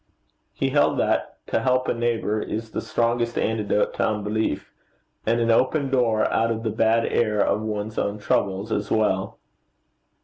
He held that to help a neighbour is the strongest antidote to unbelief, and an open door out of the bad air of one's own troubles, as well.